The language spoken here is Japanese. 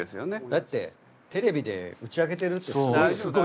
だってテレビで打ち明けてるってすごい。